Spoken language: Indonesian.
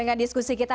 dengan diskusi kita